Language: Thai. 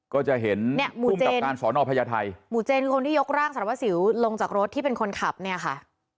ก็จะเห็นเนี่ยหมู่กับการสอนอพญาไทยหมู่เจนคือคนที่ยกร่างสารวัสสิวลงจากรถที่เป็นคนขับเนี่ยค่ะ